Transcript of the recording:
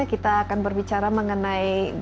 kita akan berbicara mengenai dampak ekonomi